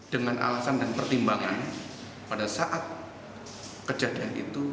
dengan alasan dan pertimbangan pada saat kejadian itu